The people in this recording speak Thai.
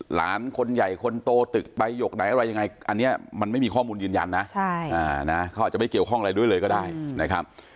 หลานคนใหญ่คนโตตึกใบหยกไหนอะไรยังไงอันนี้มันไม่มีข้อมูลยืนยันนะเขาอาจจะไม่เกี่ยวข้องอะไรด้วยเลยก็ได้นะครับ